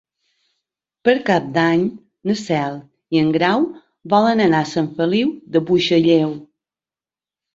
Per Cap d'Any na Cel i en Grau volen anar a Sant Feliu de Buixalleu.